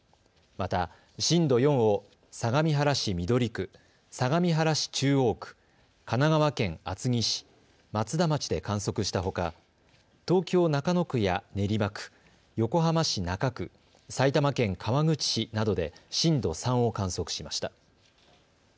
また震度４を相模原市緑区、相模原市中央区、神奈川県厚木市、松田町で観測したほか東京中野区や練馬区、横浜市中区、埼玉県川口市などで震度３を観測しました。